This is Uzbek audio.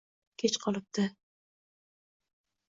Kech qolibdi.